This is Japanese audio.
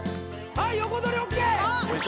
はい横取りＯＫ！